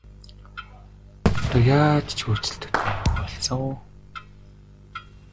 Одоо яаж ч хөөцөлдөөд нэмэргүй болсон.